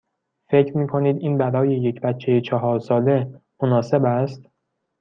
فکر می کنید این برای یک بچه چهار ساله مناسب است؟